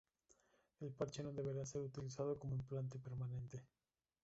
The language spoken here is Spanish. El Parche no deberá ser utilizado como implante permanente.